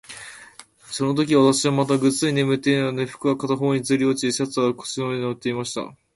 そのとき、私はまだぐっすり眠っていたので、服は片方にずり落ち、シャツは腰の上に載っていました。